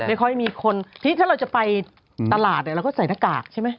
ไม่ค่อยมีคนที่ถ้าเราจะไปตลาดเราก็ใส่หน้ากากใช่ไหม